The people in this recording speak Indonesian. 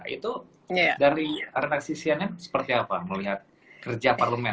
itu dari renaksi cnn seperti apa melihat kerja parlemen